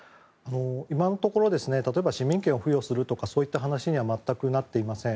今のところ例えば、市民権を付与するとかそういった話には全くなっていません。